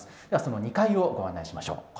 ではその２階をご案内しましょう。